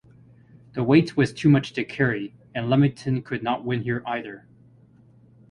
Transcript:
The weight was too much to carry, and Leamington could not win here either.